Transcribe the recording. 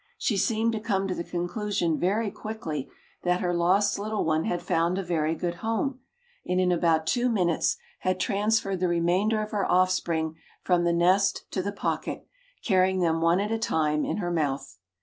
She seemed to come to the conclusion very quickly that her lost little one had found a very good home, and in about two minutes had transferred the remainder of her offspring from the nest to the pocket, carrying them one at a time in her mouth.